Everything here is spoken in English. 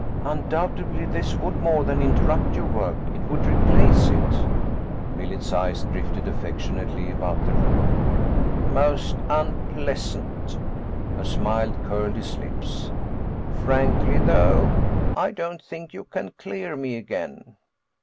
"Undoubtedly this would more than interrupt your work. It would replace it." Millet's eyes drifted affectionately about the room. "Most unpleasant." A smile curled his lips. "Frankly, though, I don't think you can clear me again."